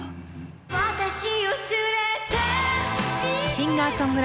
「私を連れて」